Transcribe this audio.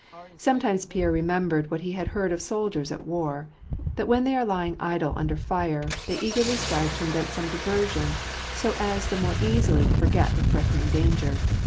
Sometimes Pierre remembered what he had heard of sol diers at war : that when they are lying idle under fire, they eagerly strive to invent some diversion, so as the more easily to forget the threatening danger.